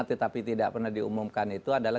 tetapi tidak pernah diumumkan itu adalah